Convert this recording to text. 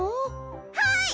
はい！